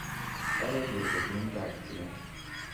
Dabei wurde der Sohn David genannt.